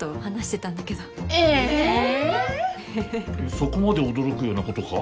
そこまで驚くようなことか？